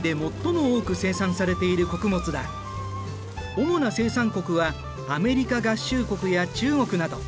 主な生産国はアメリカ合衆国や中国など。